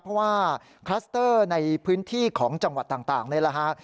เพราะว่าคลัสเตอร์ในพื้นที่ของจังหวัดต่างนี่แหละฮะ